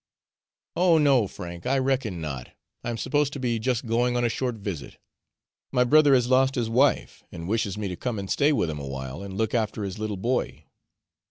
"Oh, no, Frank, I reckon not. I'm supposed to be just going on a short visit. My brother has lost his wife, and wishes me to come and stay with him awhile, and look after his little boy."